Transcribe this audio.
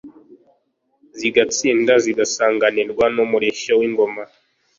Zigatsinda, zigasanganirwa n'umurishyo w'ingoma.